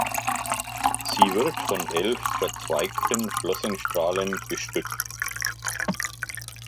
Sie wird von elf verzweigten Flossenstrahlen gestützt.